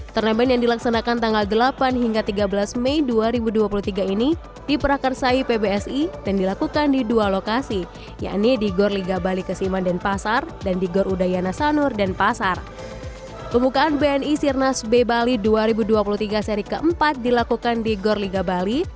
pertandingan bni sirkuit nasional sirnas b bali dua ribu dua puluh tiga seri keempat dilakukan di gor liga bali